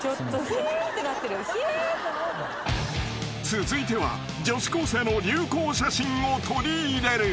［続いては女子高生の流行写真を取り入れる］